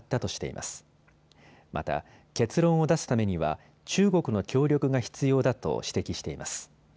また結論を出すためには中国の協力が必要だと指摘しています。